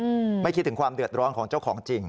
อืมไม่คิดถึงความเดือดร้อนของเจ้าของจริง